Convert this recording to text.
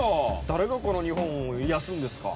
誰がこの日本を癒やすんですか？